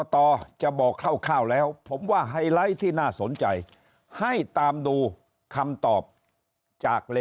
ต่อจะบอกคร่าวแล้วผมว่าไฮไลท์ที่น่าสนใจให้ตามดูคำตอบจาก